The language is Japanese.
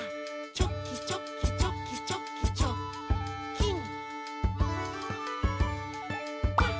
「チョキチョキチョキチョキチョッキン！」